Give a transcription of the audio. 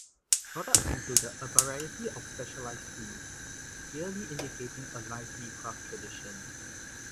Products included a variety of specialised tools, clearly indicating a lively craft tradition.